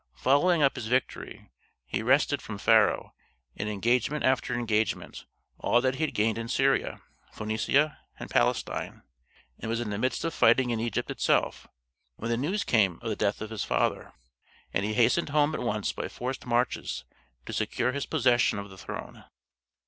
Following up his victory, he wrested from Pharaoh, in engagement after engagement, all that he had gained in Syria, Phoenicia, and Palestine, and was in the midst of fighting in Egypt itself, when the news came of the death of his father; and he hastened home at once by forced marches to secure his possession of the throne.